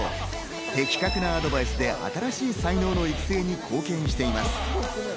適格なアドバイスで新しい才能の育成に貢献しています。